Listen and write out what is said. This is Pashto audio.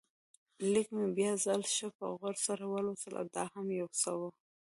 لیک مې بیا ځل ښه په غور سره ولوست، دا هم یو څه و.